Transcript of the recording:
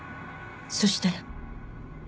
そしたら？